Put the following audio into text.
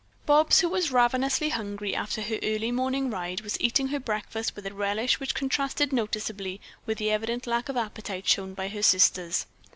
Bobs, who was ravenously hungry after her early morning ride, was eating her breakfast with a relish which contrasted noticeably with the evident lack of appetite shown by her sisters.